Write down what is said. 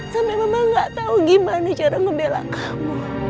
sampai mama gak tahu gimana cara ngebela kamu